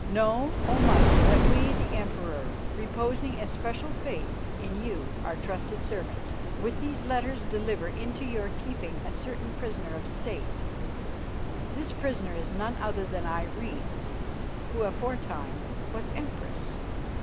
"'Know, O Michael, that we, the Emperor, reposing especial faith in you our trusted servant, with these letters deliver into your keeping a certain prisoner of State. This prisoner is none other than Irene, who aforetime was Empress.